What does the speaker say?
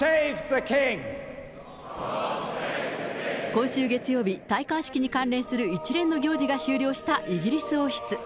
今週月曜日、戴冠式に関連する一連の行事が終了したイギリス王室。